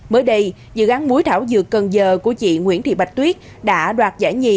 mới đây dự án muối thảo dược cần giờ của chị nguyễn thị bạch tuyết đã đoạt giải nhì